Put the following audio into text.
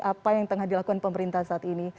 apa yang tengah dilakukan pemerintah saat ini